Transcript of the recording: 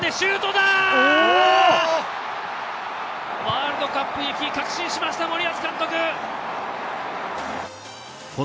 ワールドカップ行き確信しました森保監督